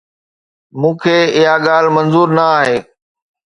مون کي اها ڳالهه منظور نه آهي